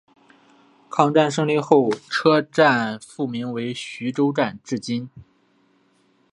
抗战胜利后车站复名徐州站至今。